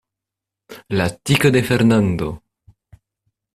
La tiko de Fernando!